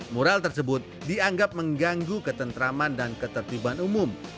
mural tersebut dianggap mengganggu ketentraman dan ketertiban umum